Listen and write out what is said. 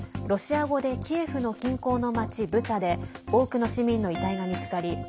ロシア語でキエフの近郊の町ブチャで多くの市民の遺体が見つかり